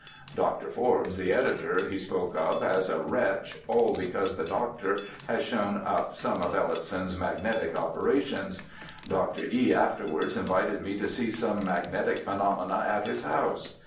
Dr. Forbes, the editor, he spoke of as " a wretch ", all because the doctor has shown up some of ElHotson's magnetic operations. Dr. E. afterwards invited me to see some magnetic phenomena at his house.